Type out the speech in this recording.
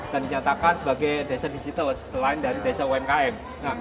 dan dikatakan sebagai desa digital selain dari desa umkm